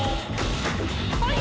はい！